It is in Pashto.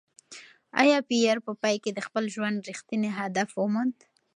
ایا پییر په پای کې د خپل ژوند رښتینی هدف وموند؟